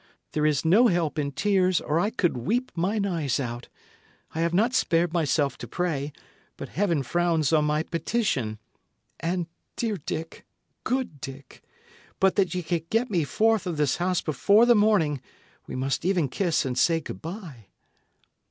There is no help in tears, or I could weep mine eyes out. I have not spared myself to pray, but Heaven frowns on my petition. And, dear Dick good Dick but that ye can get me forth of this house before the morning, we must even kiss and say good bye."